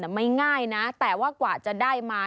นี้ง่ายนะแต่ว่ากว่าจะได้มา